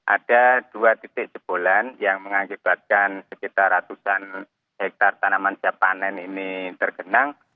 ada dua titik jebolan yang mengakibatkan sekitar ratusan hektare tanaman siap panen ini tergenang